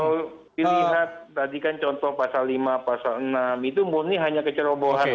kalau dilihat tadi kan contoh pasal lima pasal enam itu murni hanya kecerobohan